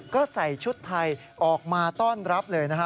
ก็ใส่ชุดไทยออกมาต้อนรับเลยนะฮะ